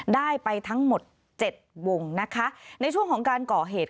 ได้ไปทั้งหมดเจ็ดวงนะคะในช่วงของการก่อเหตุ